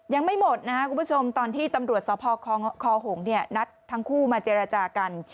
ยังไม่หมดนะครับคุณผู้ชมตอนที่ตำรวจสภคหงนัดทั้งคู่มาเจรจากัน